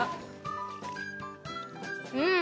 うん。